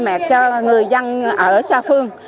mẹ cho người dân ở xa phương